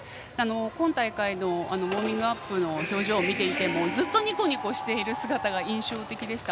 今大会のウォーミングアップの表情を見てみてもずっとニコニコしている姿が印象的でした。